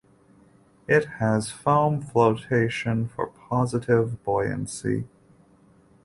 It has foam flotation for positive buoyancy.